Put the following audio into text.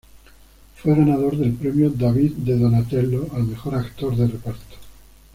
Fue ganador del Premio David de Donatello al mejor actor de reparto.